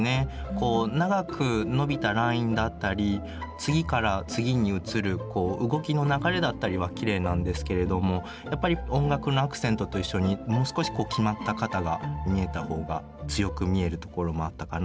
こう長く伸びたラインだったり次から次に移る動きの流れだったりはきれいなんですけれどもやっぱり音楽のアクセントと一緒にもう少し決まった型が見えた方が強く見えるところもあったかなと思います。